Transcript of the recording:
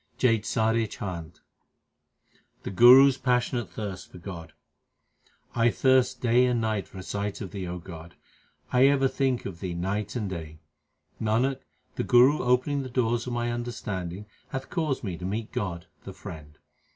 368 THE SIKH RELIGION JAITSARI CHHANT The Guru s passionate thirst for God : I thirst day and night for a sight of Thee, O God ; I ever think of Thee night and day. Nanak, the Guru opening the doors of my understanding hath caused me to meet God, the Friend.